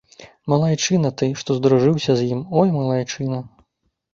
Малайчына ты, што здружыўся з ім, ой, малайчына!